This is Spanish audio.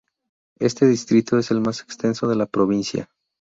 Este distrito es el más extenso de la provincia.